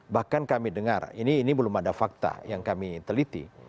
bahkan kami dengar ini belum ada fakta yang kami teliti